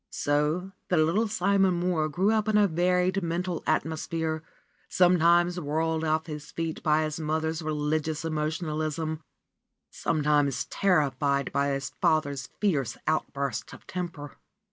So the little Simon Mohr grew up in a varied mental atmosphere, sometimes whirled off his feet by his mothers religious emotional ism, sometimes terrified by his father's fierce outbreaks of temper.